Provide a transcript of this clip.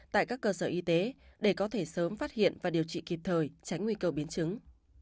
tại các cơ sở y tế để có thể sớm phát hiện và điều trị kịp thời tránh nguy cơ biến chứng